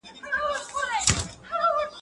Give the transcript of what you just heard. بنده ليري مښلولې، خداى لار ورته نيولې.